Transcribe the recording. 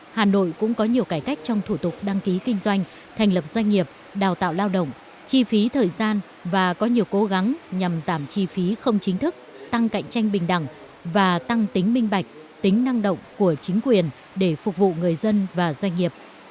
hà nội cũng có nhiều cải cách trong thủ tục đăng ký kinh doanh thành lập doanh nghiệp đào tạo lao động chi phí thời gian và có nhiều cố gắng nhằm giảm chi phí không chính thức tăng cạnh tranh bình đẳng và tăng tính minh bạch tính năng động của chính quyền để phục vụ người dân và doanh nghiệp